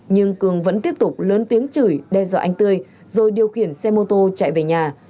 nhưng cường vẫn tiếp tục lớn tiếng chửi đe dọa anh tươi rồi điều khiển xe mô tô chạy về nhà